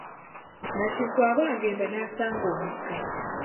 Nakintu aba agenda n'asanga omugga.